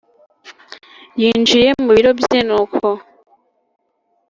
yinjiye mubiro bye nuko